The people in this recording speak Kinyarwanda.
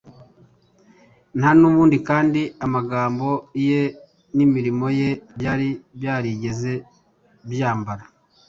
Nta n’ubundi kandi amagambo ye n’imirimo ye byari byarigeze byambara